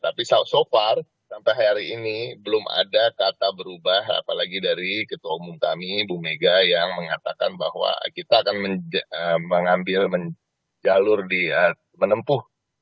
tapi so far sampai hari ini belum ada kata berubah apalagi dari ketua umum kami bu mega yang mengatakan bahwa kita akan mengambil jalur di menempuh